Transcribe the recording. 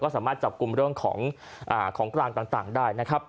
สามารถจับกลุ่มเรื่องของกลางต่างได้